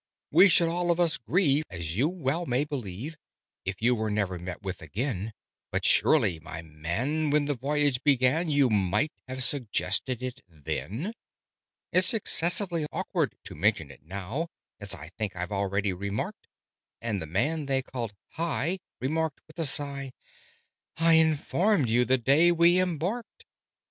"We should all of us grieve, as you well may believe, If you never were met with again But surely, my man, when the voyage began, You might have suggested it then? "It's excessively awkward to mention it now As I think I've already remarked." And the man they called "Hi!" replied, with a sigh, "I informed you the day we embarked.